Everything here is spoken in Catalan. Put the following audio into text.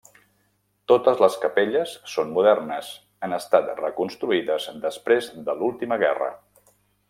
Totes les capelles són modernes, han estat reconstruïdes després de l'última guerra.